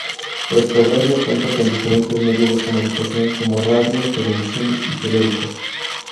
Puerto Berrío cuenta con diferentes medios de comunicación como radio, televisión y periódicos.